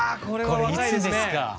これいつですか？